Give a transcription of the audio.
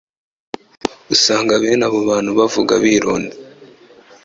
Usanga bene abo abantu bavuga bironda